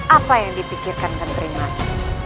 apa yang dipikirkan kentering aku